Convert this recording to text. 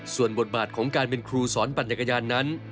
ส่วนบทบาทของการเป็นครูสอนปั่นจักรยานนั้น